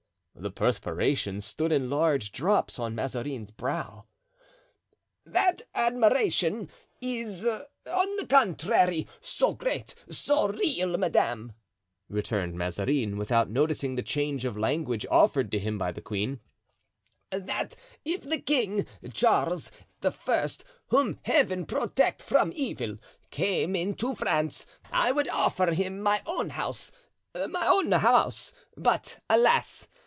The perspiration stood in large drops on Mazarin's brow. "That admiration is, on the contrary, so great, so real, madame," returned Mazarin, without noticing the change of language offered to him by the queen, "that if the king, Charles I.—whom Heaven protect from evil!—came into France, I would offer him my house—my own house; but, alas!